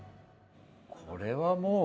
これはもう。